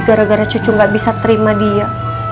gara gara cucu gak bisa terima dia